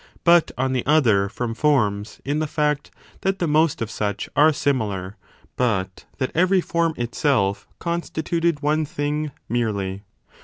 29 but, on the other, from forms, in the fact that the most of such are similar, but that every form itself constituted one thing merely.